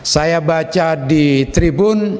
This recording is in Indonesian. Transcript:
saya baca di tribun